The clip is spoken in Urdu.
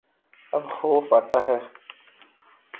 اب خوف آتا ہے